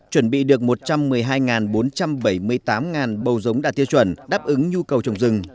chuẩn bị được một trăm một mươi hai bốn trăm bảy mươi tám bầu giống đạt tiêu chuẩn đáp ứng nhu cầu trồng rừng